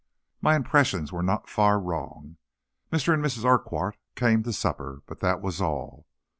My impressions were not far wrong. Mr. and Mrs. Urquhart came to supper, but that was all.